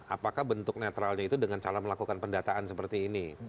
apakah bentuk netralnya itu dengan cara melakukan pendataan seperti ini